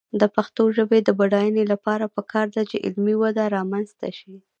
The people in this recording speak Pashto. د پښتو ژبې د بډاینې لپاره پکار ده چې علمي وده رامنځته شي.